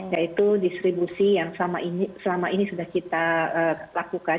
yaitu distribusi yang selama ini sudah kita lakukan